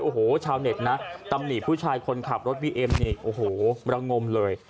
โอ้โหชาวเน็ตนะตำหนิผู้ชายคนขับรถบีเอ็มนี่โอ้โหระงมเลย